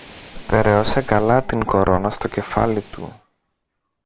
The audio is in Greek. Στερέωσε καλά την κορώνα στο κεφάλι του